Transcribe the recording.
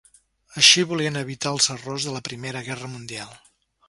Així volien evitar els errors de la primera guerra mundial.